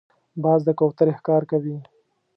باز د کوترې ښکار کوي